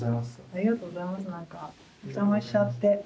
ありがとうございますなんかお邪魔しちゃって。